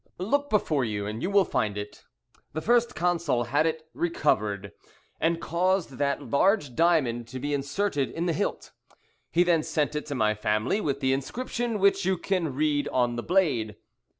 "Look before you and you will find it. The First Consul had it recovered, and caused that large diamond to be inserted in the hilt. He then sent it to my family with the inscription which you can read on the blade."